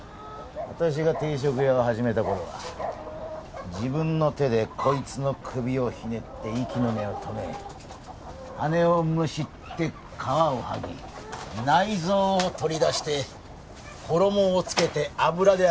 私が定食屋を始めた頃は自分の手でこいつの首をひねって息の根を止め羽をむしって皮を剥ぎ内臓を取り出して衣をつけて油で揚げて食ったんだ。